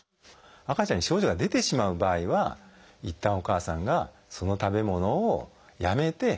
赤ちゃんに症状が出てしまう場合はいったんお母さんがその食べ物をやめて授乳しなくてはいけません。